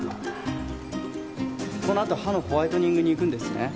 この後歯のホワイトニングに行くんですね。